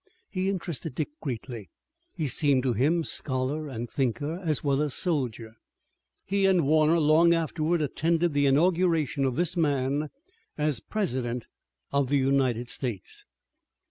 He interested Dick greatly. He seemed to him scholar and thinker as well as soldier. He and Warner long afterward attended the inauguration of this man as President of the United States.